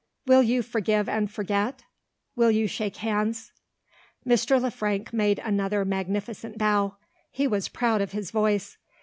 Will you forgive and forget? Will you shake hands?" Mr. Le Frank made another magnificent bow. He was proud of his voice.